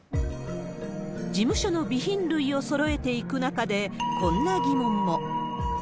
事務所の備品類をそろえていく中で、こんな疑問も。